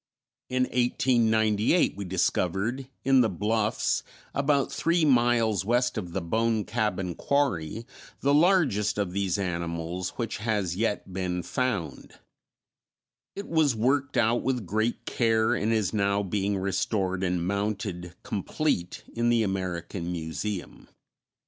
In 1898 we discovered in the bluffs, about three miles west of the Bone Cabin Quarry, the largest of these animals which has yet been found; it was worked out with great care and is now being restored and mounted complete in the American Museum.